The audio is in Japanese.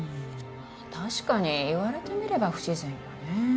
確かに言われてみれば不自然よね